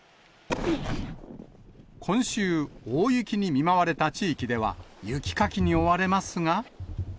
今週、大雪に見舞われた地域では、雪かきに追われますが。